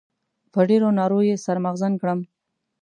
په ډېرو نارو يې سر مغزن کړم.